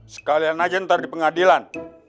sekalian aja ntar di pengadilan